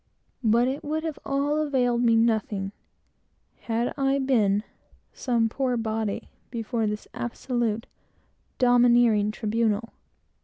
But it would have all availed me nothing, had I been "some poor body," before this absolute, domineering tribunal.